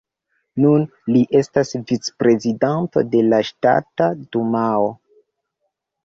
Nun li estas vicprezidanto de la Ŝtata Dumao.